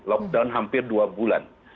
lockdown hampir dua bulan